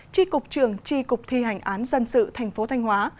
tri cục trưởng tri cục thi hành án dân sự tp thanh hóa